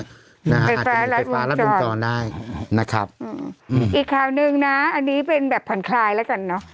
อาจจะมีเต็ดฟ้ารับวงจรได้อืมอืมอีกคราวนึงนะอันนี้เป็นแบบผ่านคลายแล้วกันเนอะ